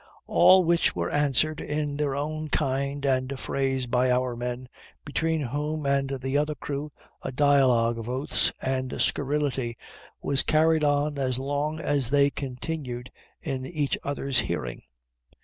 All which were answered in their own kind and phrase by our men, between whom and the other crew a dialogue of oaths and scurrility was carried on as long as they continued in each other's hearing.